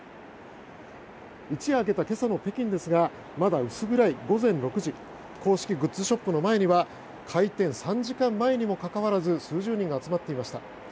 一夜明けた今朝の北京ですがまだ薄暗い午前６時公式グッズショップの前には開店３時間前にもかかわらず数十人が集まっていました。